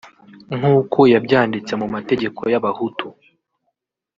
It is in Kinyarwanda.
nkuko yabyanditse mu mategeko y’abahutu